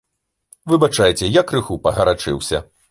Выбачайце, я крыху пагарачыўся.